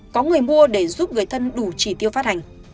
có người mua để giúp người thân đủ chỉ tiêu phát hành